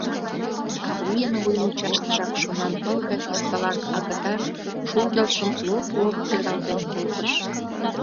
Каврийын вуймучаштыжак шонанпыл гай пыстылан агытан шулдыржым лоп-лоп пералтен колтыш.